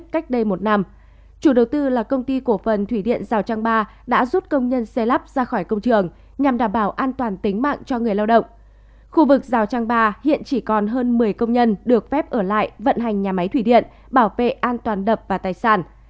khu vực giao trang ba hiện chỉ còn hơn một mươi công nhân được phép ở lại vận hành nhà máy thủy điện bảo vệ an toàn đập và tài sản